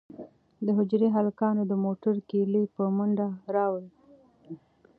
د حجرې هلکانو د موټر کیلي په منډه راوړه.